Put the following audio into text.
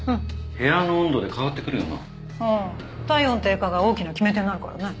ああ体温低下が大きな決め手になるからね。